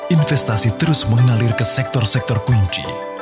investasi terus mengalir ke sektor sektor kunci